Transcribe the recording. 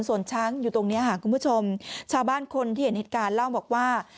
ส่วนช้างอยู่ตรงนี้ค่ะคุณผู้ชมชาวบ้านคนที่เห็นเหตุการณ์เล่าบอกว่า